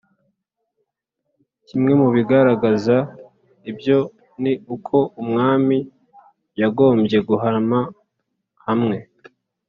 kimwe mu bigaragaza ibyo ni uko umwami yagombye guhama hamwe,